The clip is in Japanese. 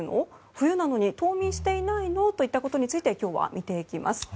冬なのに冬眠していないの？といったことについて今日は見ていきます。